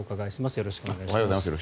よろしくお願いします。